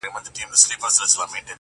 د ډوډۍ پر وخت به خپل قصر ته تلله،